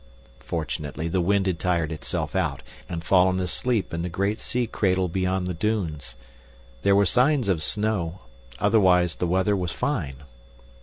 Fortunately the wind had tired itself out and fallen asleep in the great sea cradle beyond the dunes. There were signs of snow; otherwise the weather was fine.